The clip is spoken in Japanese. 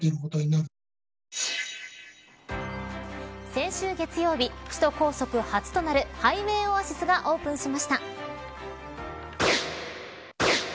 先週月曜日、首都高速初となるハイウェイオアシスがオープンしました。